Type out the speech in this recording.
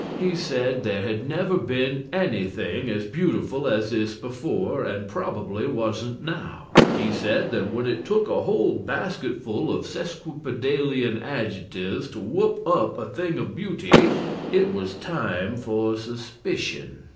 He said there had never been anything as beautiful as this before, and probably wasn't now. He said that when it took a whole basketful of sesquipedalian adjectives to whoop up a thing of beauty, it was time for suspicion.